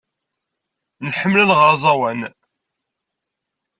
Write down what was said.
Nḥemmel ad nɣer aẓawan.